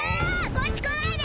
こっちこないで！